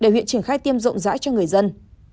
để huyện triển khai tiêm rộng rãi cho người dân